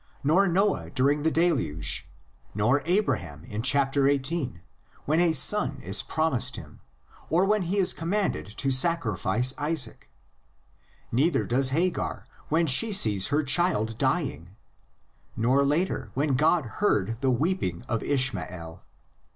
nor Noah during the Deluge, nor Abraham in chapter xviii, when a son is promised him or when he is com manded to sacrifice Isaac; neither does Hagar when she sees her child dying, nor later when God heard the weeping of Ishmael.